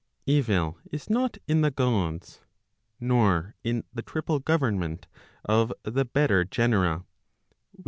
Evil is not in the Gods, nor in the triple government of the better genera, viz.